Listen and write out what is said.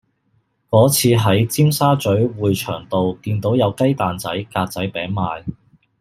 嗰次喺尖沙咀匯翔道見到有雞蛋仔格仔餅賣